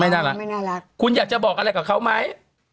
น่ารักไม่น่ารักคุณอยากจะบอกอะไรกับเขาไหม